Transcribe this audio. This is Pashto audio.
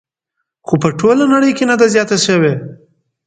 خو په ټوله کې نه ده زیاته شوې